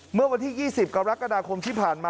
เมื่อวันที่๒๐กรกฎาคมที่ผ่านมา